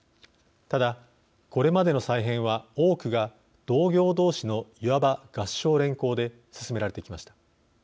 ただ、これまでの再編は多くが同業同士のいわば合従連衡で進められてきました。